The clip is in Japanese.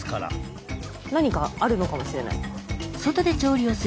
何かあるのかもしれない。